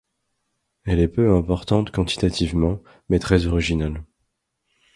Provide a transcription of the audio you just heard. Elle est peu importante quantitativement, mais très originale.